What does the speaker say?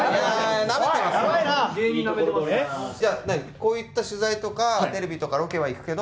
こういった取材とかテレビとかロケは行くけど。